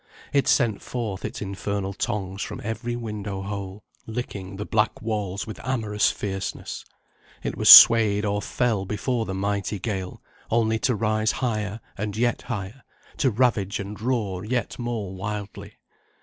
It sent forth its infernal tongues from every window hole, licking the black walls with amorous fierceness; it was swayed or fell before the mighty gale, only to rise higher and yet higher, to ravage and roar yet more wildly.